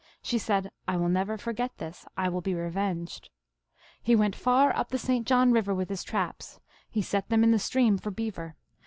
She said, I will never forget this ; I will be revenged. He went far up the St. John Eiver with his traps ; he set them in the stream for beaver.